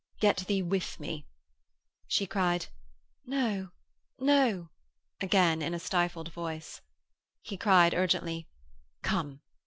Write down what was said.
'Get thee with me.' She said, 'No, no,' again in a stifled voice. He cried urgently: 'Come!